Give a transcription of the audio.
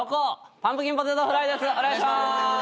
お願いします。